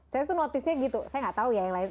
saya tuh notice nya gitu saya nggak tahu ya yang lain